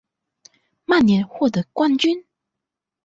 曼联获得冠军。